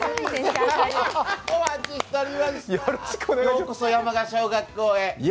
ようこそ山鹿小学校へ。